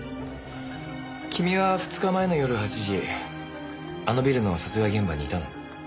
君は２日前の夜８時あのビルの殺害現場にいたの？